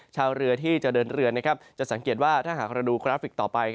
ชาวเรือที่จะเดินเรือนะครับจะสังเกตว่าถ้าหากเราดูกราฟิกต่อไป